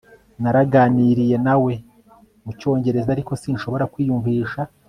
Naganiriye nawe mu Cyongereza ariko sinshobora kwiyumvisha